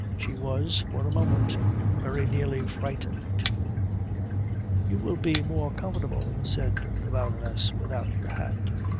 She was, for a moment, very nearly frightened. "You will be more comfortable," said the Baroness, "without your hat."